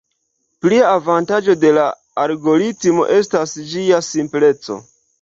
Plia avantaĝo de la algoritmo estas ĝia simpleco.